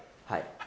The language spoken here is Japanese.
はい。